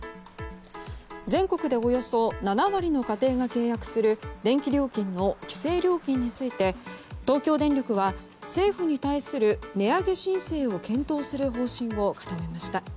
全国でおよそ７割の家庭が契約する電気料金の規制料金について東京電力は政府に対する値上げ申請を検討する方針を固めました。